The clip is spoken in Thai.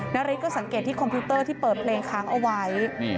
นาริสก็สังเกตที่คอมพิวเตอร์ที่เปิดเพลงค้างเอาไว้